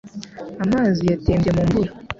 Amazi yatembye mu mvura.